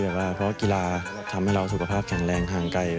เพราะว่ากีฬาทำให้เราสุขภาพแข็งแรงห่างไกล